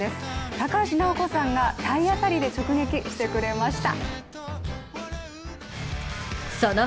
高橋尚子さんが体当たりで直撃してくれました